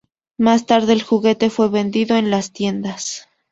Más tarde el juguete fue vendido en las tiendas.